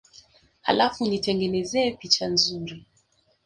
Halafu unitengenezee picha nzuri